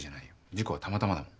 事故はたまたまだもん。